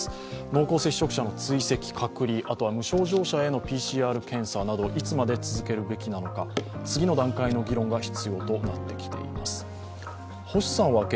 濃厚接触者の追跡、隔離、あとは無症状者へのＰＣＲ検査などいつまで続けるべきなのか次の段階の議論が必要となってきています。